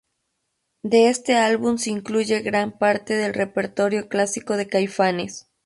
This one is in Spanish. De este álbum se incluye gran parte del repertorio clásico de Caifanes.